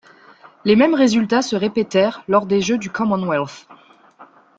Les mêmes résultats se répétèrent lors des Jeux du Commonwealth.